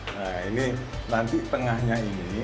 nah ini nanti tengahnya ini